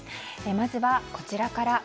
まずはこちらから。